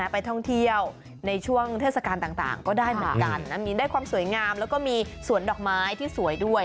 ไปท่องเที่ยวในช่วงเทศกาลต่างก็ได้เหมือนกันมีได้ความสวยงามแล้วก็มีสวนดอกไม้ที่สวยด้วย